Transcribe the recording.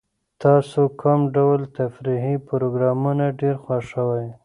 تاسو کوم ډول تفریحي پروګرامونه ډېر خوښوئ؟